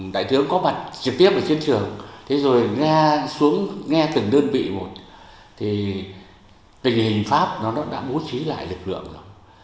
đại tướng có mặt trực tiếp ở chiến trường nghe từng đơn vị một thì tình hình pháp đã bố trí lại lực lượng rồi